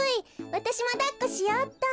わたしもだっこしようっと。